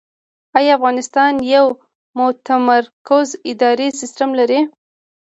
آیا افغانستان یو متمرکز اداري سیستم لري؟